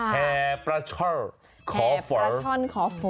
แห่ประชันขอฝน